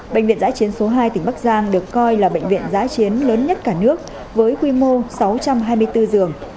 bệnh viện giãi chiến số hai tỉnh bắc giang được coi là bệnh viện giã chiến lớn nhất cả nước với quy mô sáu trăm hai mươi bốn giường